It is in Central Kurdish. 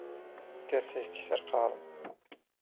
کەسێکی سەرقاڵم.